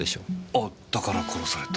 あだから殺された。